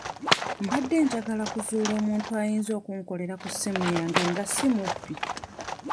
Mbadde njagala kuzuula muntu ayinza okunkolera ku ssimu yange nga si mubbi.